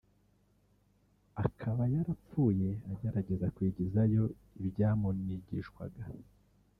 akaba yarapfuye agerageza kwigizayo ibyamunigishwaga